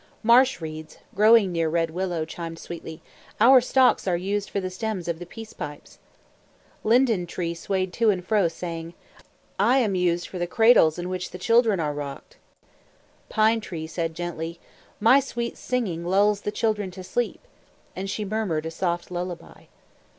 Marsh Reeds, growing near Red Willow, chimed sweetly, "Our stalks are used for the stems of the peace pipes." Linden Tree swayed to and fro, saying, "I am used for the cradles in which the children are rocked." Pine Tree said gently, "My sweet singing lulls the children to sleep." And she murmured a soft lullaby.